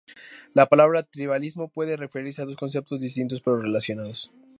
La palabra "tribalismo" puede referirse a dos conceptos distintos, pero relacionados.